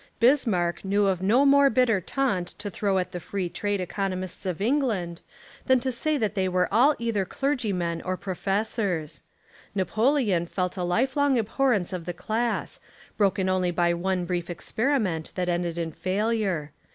Bismarck knew of no 12 The Apology of a Professor more bitter taunt to throw at the Free Trade economists of England than to say that they were all either clergymen or professors. Na poleon felt a life long abhorrence of the class, broken only by one brief experiment that ended in failure.